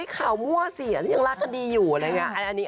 ข่าวมั่วสิที่ยังรักคดีอยู่อะไรอย่างนี้